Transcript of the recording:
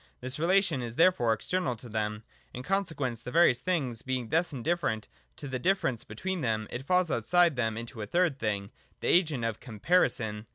This relation is therefore external to them. In consequence of the various things being thus indifferent to the difference between them, it falls outside them into a third thing, the agent of Comparison.